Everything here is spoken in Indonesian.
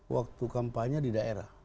waktu kampanye di daerah